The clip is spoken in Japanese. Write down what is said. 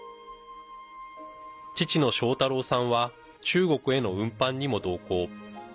父の昌太郎さんは中国への運搬にも同行。